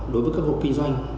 đối với các hộp kinh doanh